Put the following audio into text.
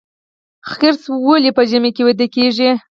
خرس ولې په ژمي کې ویده کیږي؟